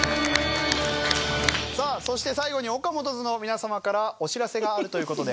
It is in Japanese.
さあそして最後にＯＫＡＭＯＴＯ’Ｓの皆様からお知らせがあるという事で。